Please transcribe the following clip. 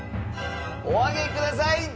お上げください。